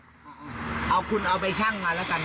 เอาคุณเอาไปชั่งมาแล้วกัน